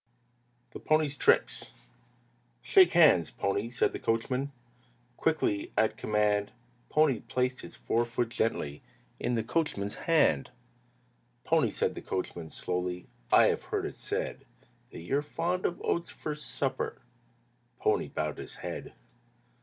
III. THE PONY'S TRICKS "Shake hands, pony," said the coachman. Quickly, at command, Pony placed his forefoot gently In the coachman's hand. "Pony," said the coachman, slowly, "I have heard it said That you're fond of oats for supper;" Pony bowed his head.